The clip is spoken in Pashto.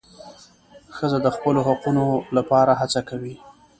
ښځه د خپلو حقونو لپاره هڅه کوي.